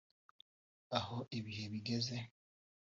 aho ibihe bigeze